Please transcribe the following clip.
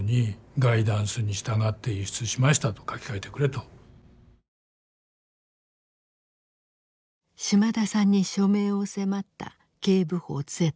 そこには島田さんに署名を迫った警部補Ｚ。